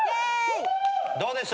どうでした？